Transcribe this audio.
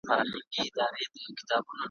د وطن د خیالونو ټالونو وزنګولم ,